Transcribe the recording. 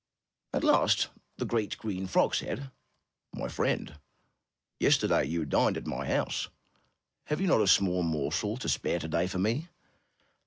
At last the great, green frog said: ''My friend, yesterday you dined at my house; have you not a small morsel to spare today for me?''